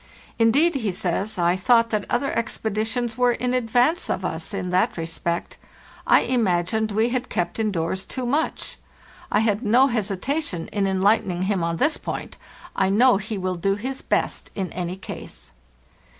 'Indeed,' he says, 'I thought that other expeditions were in advance of us in that respect. I imagined we had kept indoors too much.' I had no hesitation in enlightening him on this point; I know he will do his best in any case.